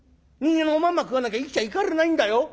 人間もおまんま食わなきゃ生きちゃいかれないんだよ。